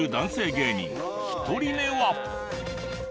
芸人１人目は。